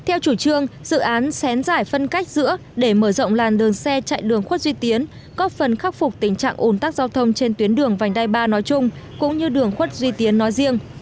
theo chủ trương dự án xén giải phân cách giữa để mở rộng làn đường xe chạy đường khuất duy tiến có phần khắc phục tình trạng ồn tắc giao thông trên tuyến đường vành đai ba nói chung cũng như đường khuất duy tiến nói riêng